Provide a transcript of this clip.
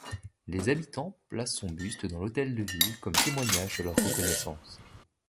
Les habitants placent son buste dans l'hôtel de ville comme témoignage de leur reconnaissance.